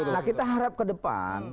nah kita harap ke depan